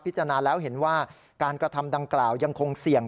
จารณ์แล้วเห็นว่าการกระทำดังกล่าวยังคงเสี่ยง